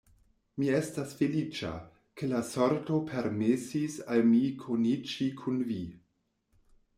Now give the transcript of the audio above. Mi estas feliĉa, ke la sorto permesis al mi koniĝi kun vi.